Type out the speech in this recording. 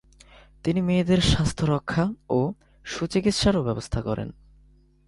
তিনি মেয়েদের স্বাস্থ্য রক্ষা ও সুচিকিৎসারও ব্যবস্থা করেন।